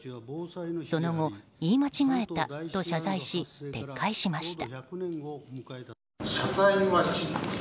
その後、言い間違えたと謝罪し撤回しました。